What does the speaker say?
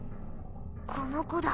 この子だ。